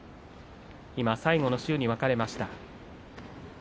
今、最後の塩に分かれました。